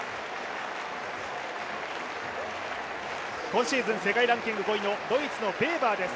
今シーズン世界ランキング５位のドイツのベーバーです。